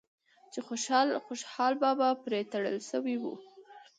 چې خوشحال بابا پرې تړل شوی و